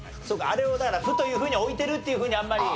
あれをだから「フ」というふうに置いてるっていうふうにあんまり。